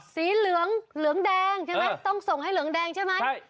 สีเหลืองเหลืองแดงใช่ไหมต้องส่งให้เหลืองแดงใช่ไหม